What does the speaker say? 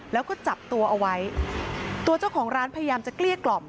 แล้วก็จับตัวเอาไว้ตัวเจ้าของร้านพยายามจะเกลี้ยกล่อม